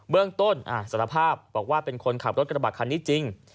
เรื่องต้นสารภาพบอกว่าเป็นคนขับรถกระบะคันนี้จริง